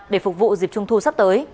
để phục vụ dịp trung thu sắp tới